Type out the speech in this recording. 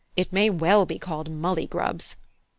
it may well be called Mulleygrubs!"